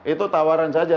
itu tawaran saja